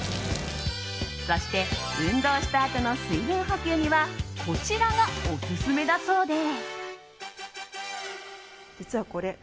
そして運動したあとの水分補給にはこちらがオススメだそうで。